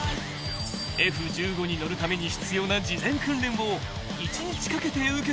［Ｆ−１５に乗るために必要な事前訓練を１日かけて受けてもらうのだが］